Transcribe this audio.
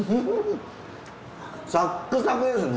サックサクですね。